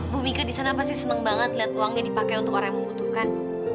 bu mika di sana pasti senang banget lihat uangnya dipakai untuk orang yang membutuhkan